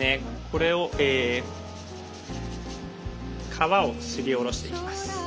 これを皮をすりおろしていきます。